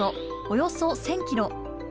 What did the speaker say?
およそ１，０００ｋｍ。